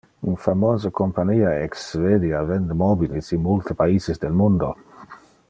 Un famose compania ex Svedia vende mobiles in multe paises del mundo.